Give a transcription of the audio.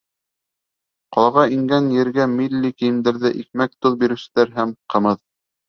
Ҡалаға ингән ергә милли кейемдәрҙә икмәк-тоҙ биреүселәр һәм... ҡымыҙ!